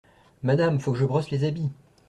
Madame, faut que je brosse les habits.